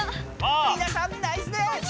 みなさんナイスです！